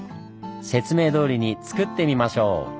説明どおりにつくってみましょう！